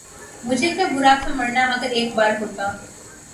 مجھے کیا برا تھا مرنا اگر ایک بار ہوتا